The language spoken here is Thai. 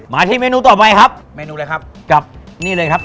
มาที่เมนูต่อไปครับเมนูอะไรครับกับนี่เลยครับ